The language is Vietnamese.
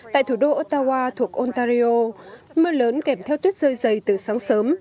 tại thủ đô otawa thuộc ontario mưa lớn kèm theo tuyết rơi dày từ sáng sớm